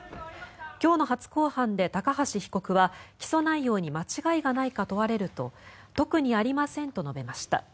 今日の初公判で高橋被告は起訴内容に間違いがないか問われると特にありませんと述べました。